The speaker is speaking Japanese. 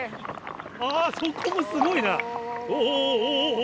あそこもすごいなおおお。